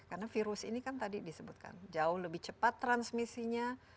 karena virus ini kan tadi disebutkan jauh lebih cepat transmisinya